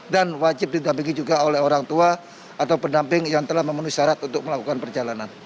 dan wajib didampingi juga oleh orang tua atau pendamping yang telah memenuhi syarat untuk melakukan perjalanan